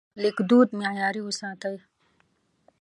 لیکدود معیاري وساتئ.